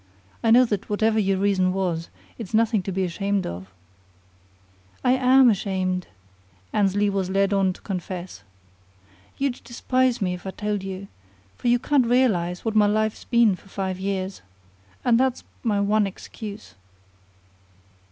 I know that whatever your reason was, it's nothing to be ashamed of." "I am ashamed," Annesley was led on to confess. "You'd despise me if I told you, for you can't realize what my life's been for five years. And that's my one excuse."